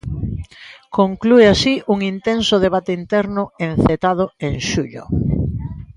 Conclúe así un "intenso" debate interno encetado en xullo.